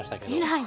偉い！